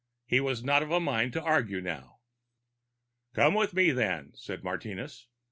He was not of a mind to argue now. "Come with me, then," said Martinez.